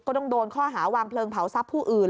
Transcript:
ต้องโดนข้อหาวางเพลิงเผาทรัพย์ผู้อื่น